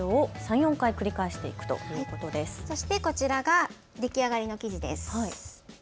そしてこちらが出来上がりの生地です。